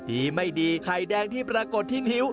ดีไม่ดีไข่แดงที่ปรากฏที่นิ้ว